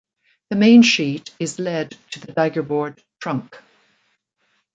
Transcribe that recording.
The mainsheet is led to the daggerboard trunk.